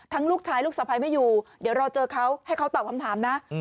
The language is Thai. ลูกชายลูกสะพ้ายไม่อยู่เดี๋ยวรอเจอเขาให้เขาตอบคำถามนะ